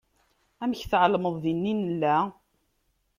Amek tεelmeḍ din i nella?